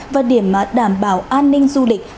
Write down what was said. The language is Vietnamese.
và điểm đảm bảo an ninh du lịch